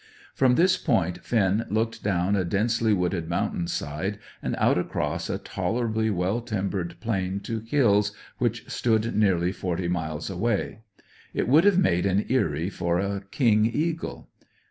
From this point Finn looked down a densely wooded mountain side, and out across a tolerably well timbered plain to hills which stood nearly forty miles away. It would have made an eyrie for a king eagle.